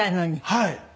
はい。